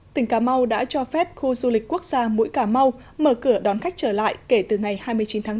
tỉnh cà mau đã cho phép khu du lịch quốc gia mũi cà mau mở cửa đón khách trở lại kể từ ngày hai mươi chín tháng tám